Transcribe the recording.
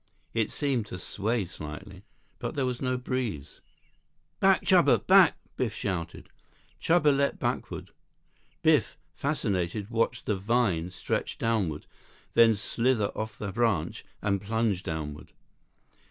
It seemed to sway slightly. But there was no breeze. "Back, Chuba! Back!" Biff shouted. Chuba leaped backward. Biff, fascinated, watched the "vine" stretch downward, then slither off the branch and plunge downward.